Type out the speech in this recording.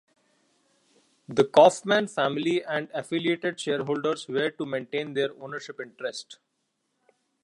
The Koffman family and affiliated shareholders were to maintain their ownership interest.